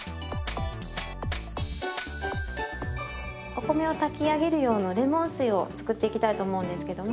お米を炊き上げる用のレモン水を作っていきたいと思うんですけども。